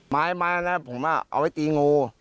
ไม้นั่นผมว่าเอาไว้ตีงู